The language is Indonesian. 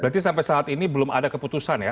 berarti sampai saat ini belum ada keputusan ya